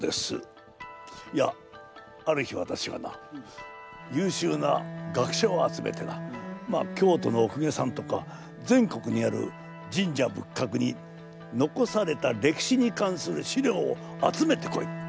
いやある日わたしがなゆうしゅうな学者を集めてな京都のお公家さんとか全国にある神社仏閣に残された歴史に関する史料を集めてこいこう命令したんです。